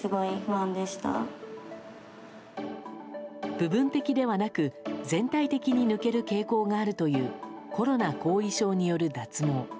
部分的ではなく全体的に抜ける傾向があるというコロナ後遺症による脱毛。